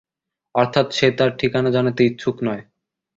অর্থাৎ সে তার ঠিকানা জানাতে ইচ্ছুক নয়।